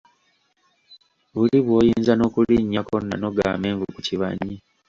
Buli bwoyinza nokulinyako nonoga amenvu ku kibanyi!